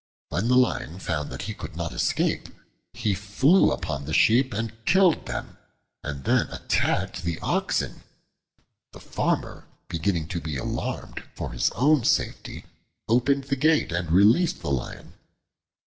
When the Lion found that he could not escape, he flew upon the sheep and killed them, and then attacked the oxen. The Farmer, beginning to be alarmed for his own safety, opened the gate and released the Lion.